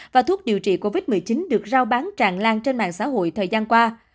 và thuốc điều trị covid một mươi chín được giao bán tràn lan trên mạng xã hội thời gian qua